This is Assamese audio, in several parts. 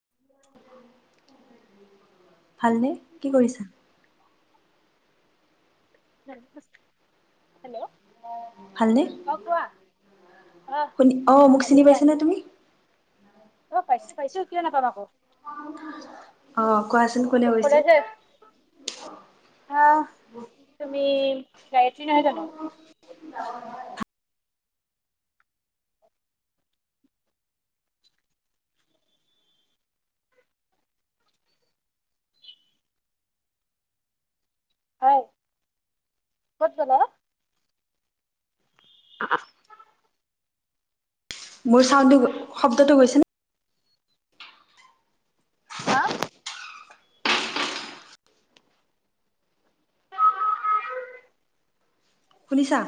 [inaudible] ভালনে? কি কৰিছা? হেল্ল'। ভালনে অ কোৱা অ শুনি অ মোক ভালে চিনি দিয়া পাইছা নে তুমি উম অ', পাইছোঁ, পাইছোঁ কিয় নাপাম আকৌ। আহ কোৱাচোন কোনে কলে কৈছো যে আহ তুমি গায়ত্ৰী নহয় জানো হয় ক'ত গ'লা অ'? আহ মোৰ চাউণ্দটো শব্দটো গৈছে নে? হা শুনিছা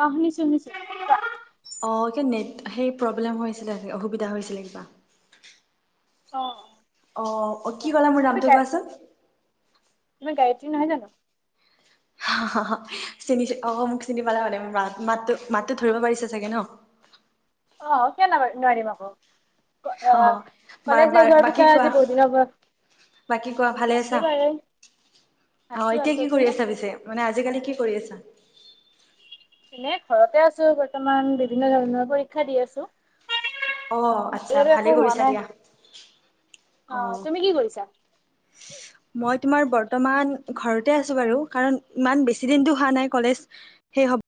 অ শুনিছোঁ শুনিছোঁ অ', এ নেট সেই প্ৰব্লেম হৈছিলে অসুবিধা হৈছিলে কিবা। অ অ অ আচ্ছা, কি কলো মোৰ নামটো কোৱাচোন তোমাৰ গাায়ত্ৰী নহয় জানো চিনি অক মোক চিনি পালা মানে মাত মাতো মাতটো ধৰিব পাৰিছে চাগে ন অ কিয় ন নোৱাৰিম আকৌ অ আহ বা কলেজ শেষ হোৱাৰ বাকী পিছত কোৱা আজি বহুত দিনৰ মূৰত বাকী কোৱা ভালে আছো আছা বাৰু আহ আছো এতিয়া আছো কি কৰি তুমি আছা পিছে মানে আজিকালি কি কৰি আছা এ ঘৰতে আছো বৰ্তমান বিভিন্ন ধৰণৰ পৰীক্ষা দি আছো অ আচ্ছা আৰু একো ভালেই হোৱা কৰিছা নাই দিয়া অ তুমি কি কৰিছা মই তোমাৰ বৰ্তমান ঘৰতে আছো বাৰু কাৰণ ইমান বেছি দিনতটো হোৱা নাই কলেজ সেই হব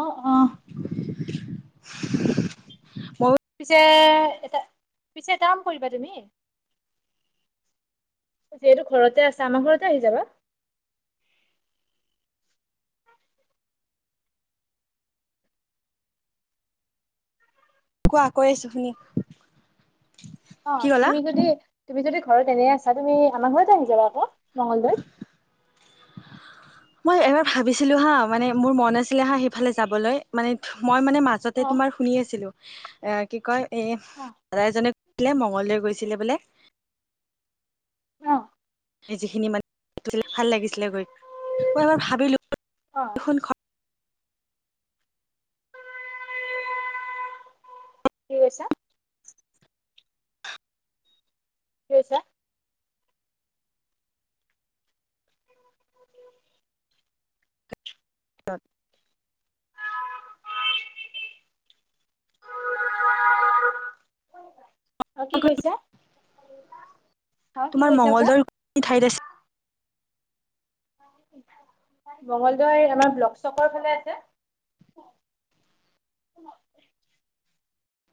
অ অ [inaudible] উ পিছে এটা পিছে এটা কাম কৰিবা তুমি যিহেতু ঘৰতে আছে আমাৰ ঘৰতে আহি যাবা কোৱা কৈ আছো শুনি অ কি ক'লা তুমি যদি তুমি যদি ঘৰত এনে আ চ্ছা তুমি আমাৰ ঘৰতে আহি যাবা আকৌ মঙ্লবাৰে মই এবাৰ ভাবিছিলো হা মানে মোৰ মন আছিলে হা সেইফালে যাবলৈ মানে মই মানে মাজতে অ তোমাৰ শুনি আছিলো এ কি কয় এ অ দাদাইজনে মংগলদৈ গৈছিলে বোলে অ যিখিনি মানেছিল ভাল লাগিছিলে গৈ মই এবাৰ ভাবিলো অ দেখোন কি কৈছা কছা অ অ কি কৈছা অ কি তোমাৰ কৈছা কোৱা? মঙংগলদাৰ ঠাইত আছে মঙগলদাৰ আমাৰ ব্লক চকৰ ফালে আছে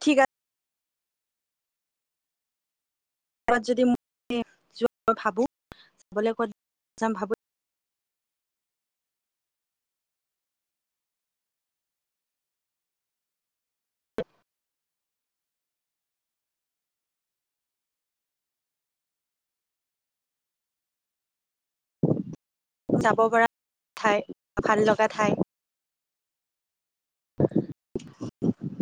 ঠিক আছে য ম ভাবো যাবলৈ ক'ত য ভাবো যাব পৰা ঠাই ভাল লগা ঠাই